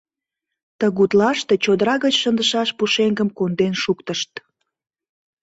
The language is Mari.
Тыгутлаште чодыра гыч шындышаш пушеҥгым конден шуктышт.